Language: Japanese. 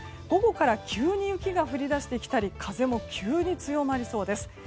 午後から急に雪が降り出してきたり風も急に強まりそうです。